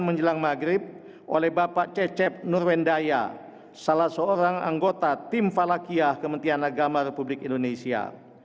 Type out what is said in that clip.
menjelang maghrib oleh bapak cecep nurwendaya salah seorang anggota tim falakiyah kementerian agama republik indonesia